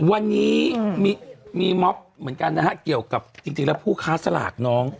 วันนี้มีม็อบเหมือนกันนะฮะเกี่ยวกับจริงแล้วผู้ค้าสลากน้อง